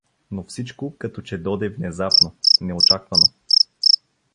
Но всичко като че доде внезапно, неочаквано.